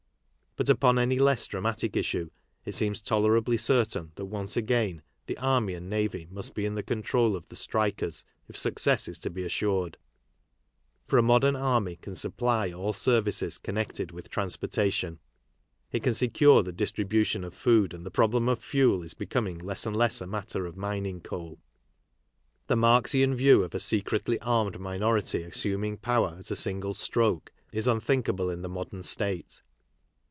But upon any less dramatic issue, it seems tolerably certain that once again, the army and navy must be in the control of the strikers if success is to be assured. For a modern army can supply all services connected with transportation ; it can secure the distribu tion of food, and the problem of fuel is becoming less and less a matter of mining coal. The Marxian view 40 KARL MARX iof a secretly armed minority assuming power at a single Istroke is unthinkable in the modern state.